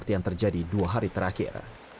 yang terjadi dua hari terakhir